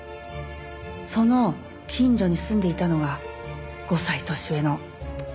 その近所に住んでいたのが５歳年上の綾さんでした。